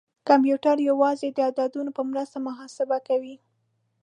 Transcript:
کمپیوټر یوازې د عددونو په مرسته محاسبه کوي.